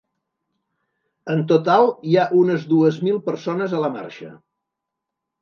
En total hi ha unes dues mil persones a la marxa.